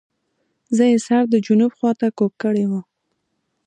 زه یې سر د جنوب خواته کوږ کړی وو.